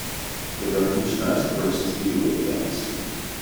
It revolutionized Brooks's view of things.